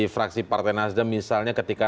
fraksi partai nasdem misalnya ketika